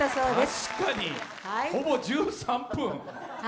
確かに、ほぼ１３分。